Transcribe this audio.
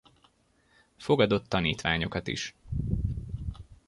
Fogadott tanítványokat is.